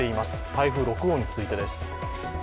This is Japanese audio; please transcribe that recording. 台風６号についてです。